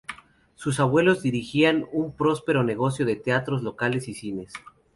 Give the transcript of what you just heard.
Sus abuelos dirigían un próspero negocio de teatros locales y cines.